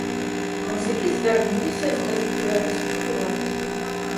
Музыкі звярнуліся з да беларускіх уладаў.